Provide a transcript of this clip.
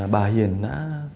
bà hiền đã